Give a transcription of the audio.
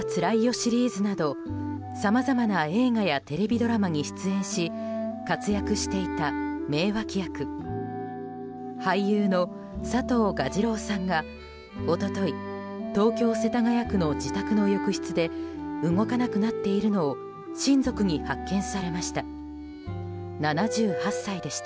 シリーズなどさまざまな映画やテレビドラマに出演し活躍していた名脇役俳優の佐藤蛾次郎さんが一昨日、東京・世田谷区の自宅の浴室で動かなくなっているのを親族に発見されました。